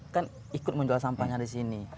itu anak anak juga kan ikut menjual sampahnya di sini